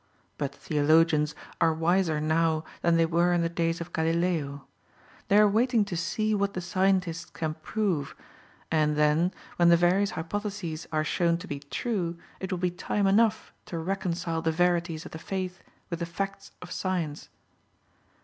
But theologians are wiser now than they were in the days of Galileo; they are waiting to see what the scientists can prove, and then, when the various hypotheses are shown to be true, it will be time enough to reconcile the verities of the Faith with the facts of Science.